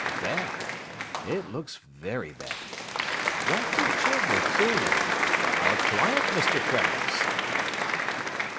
Bad? It looks very bad. Doctor Jeddler too—our client, Mr. Craggs.